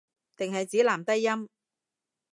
定係指男低音